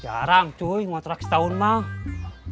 jarang cuy ngontrak setahun mang